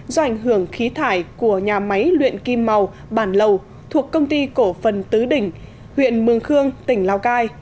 do ảnh hưởng khí thải của nhà máy luyện kim màu bản lầu thuộc công ty cổ phần tứ đỉnh huyện mường khương tỉnh lào cai